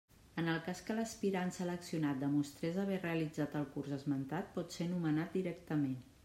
En el cas que l'aspirant seleccionat demostrés haver realitzat el curs esmentat pot ser nomenat directament.